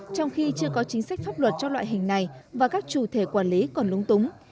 trong khi chưa có chính sách pháp luật cho loại hình này và các chủ thể quản lý còn lúng túng